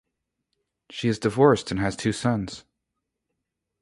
She is divorced and has two sons.